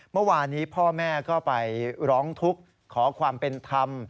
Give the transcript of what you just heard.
เมื่อวานนี้พ่อแม่ก็ไปร้องทุกข์ขอความเป็นธรรม